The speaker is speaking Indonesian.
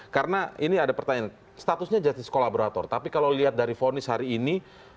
karena ini ada pertanyaan statusnya justice kolaborator tapi kalau dilihat dari vonis hari ini